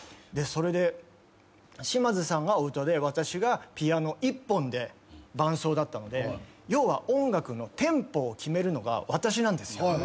でそれで島津さんが歌で私がピアノ一本で伴奏だったので要は音楽のテンポを決めるのが私なんですよ